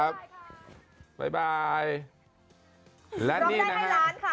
น้องได้ให้ร้านค่ะ